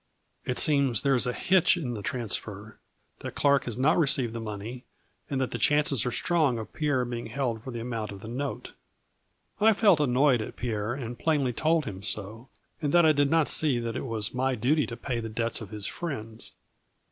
It seems there is a hitch in the transfer, that Clark has not received the money and that the chances are strong of Pierre being held for the amount of the note. " I felt annoyed at Pierre and plainly told him so, and that I did not see that it was my duty to pay the debts of his friends.